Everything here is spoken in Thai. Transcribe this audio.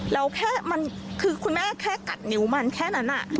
แล้วแค่มันคือคุณแม่แค่กัดนิ้วมันแค่นั้น